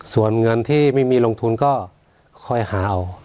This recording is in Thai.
ส่วนเงินที่ไม่มีลงทุนก็คอยหาเอา